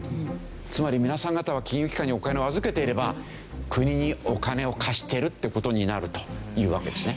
つまり皆さん方は金融機関にお金を預けていれば国にお金を貸してるって事になるというわけですね。